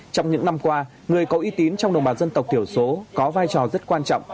trong những năm qua người có uy tín trong đồng bào dân tộc thiểu số có vai trò rất quan trọng